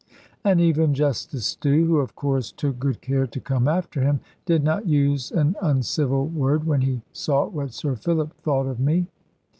And even Justice Stew, who of course took good care to come after him, did not use an uncivil word, when he saw what Sir Philip thought of me.